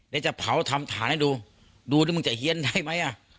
เดี๋ยวเผาทำถารให้ดูดูด้วยมั้งจะเหี้ยนได้ไหมเะ